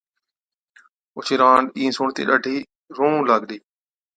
اوڇِي رانڏ اِين سُڻتِي ڏاڍِي روئُون لاگلِي،